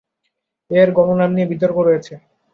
এর গণ নাম নিয়ে বিতর্ক রয়েছে।